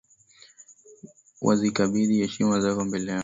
Wazikabithi heshima zako mbele yako.